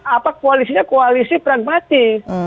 apa koalisinya koalisi pragmatik